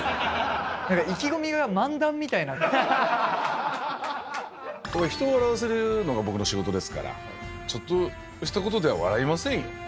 なんか意気込みが漫談みたい人を笑わせるのが僕の仕事ですから、ちょっとしたことでは笑いませんよ。